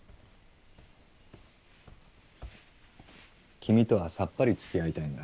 君とはさっぱりつきあいたいんだ。